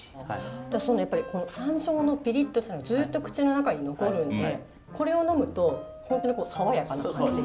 やっぱり山椒のピリッとしたのずっと口の中に残るんでこれを呑むと本当に爽やかな感じ。